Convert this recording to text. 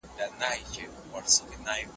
دي شوراګانو به د هېواد د ورانېدو مخه نيولي وي.